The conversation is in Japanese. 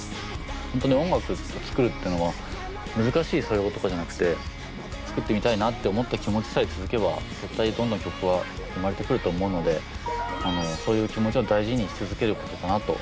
本当に音楽作るっていうのは難しい素養とかじゃなくて作ってみたいなって思った気持ちさえ続けば絶対どんどん曲は生まれてくると思うのでそういう気持ちを大事にし続けることかなと。